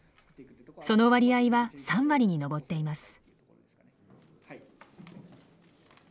その割合は３割に上っています。